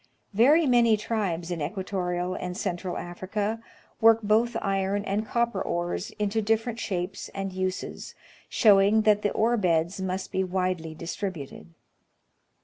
Very many tribes in equatorial and Central Africa work both iron and cop per ores into different shapes and uses, showing that the ore beds must be widely distributed.